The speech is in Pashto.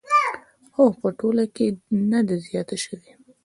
خو په ټوله کې نه ده زیاته شوې